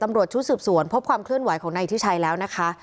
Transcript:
ตำรวจชุดสืบสวนพบความคลื่นไหวของในอิทธิชัยแล้วนะคะ